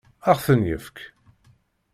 Ad ɣ-ten-yefk?